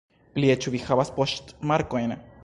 Plie, ĉu vi havas poŝtmarkojn?